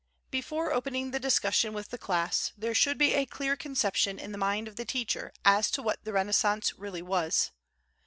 Before opening the discussion with the class there should be a clear conception in the mind of the teacher as to what the Renaissance really was.